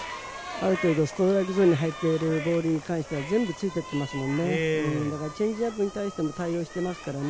ある程度ストライクゾーンに入っているボールに対して全部ついてきますからね。